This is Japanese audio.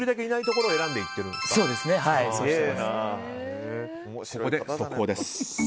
ここで速報です。